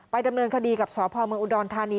ไปดำเนินคดีกับสพอุดรธานี